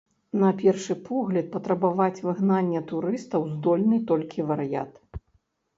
На першы погляд, патрабаваць выгнання турыстаў здольны толькі вар'ят.